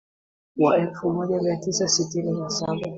Wa elfu moja mia tisa sitini na saba